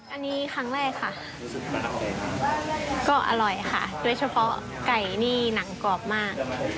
อันนี้ครั้งแรกค่ะก็อร่อยค่ะโดยเฉพาะไก่นี่หนังกรอบมาก